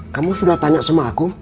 kamu sudah tanya sama aku